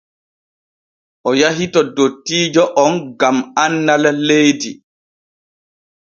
O yahi to dottiijo on gam annal leydi.